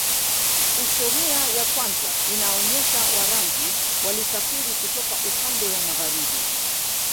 Historia ya kwanza inaonyesha Warangi walisafiri kutoka upande wa magharibi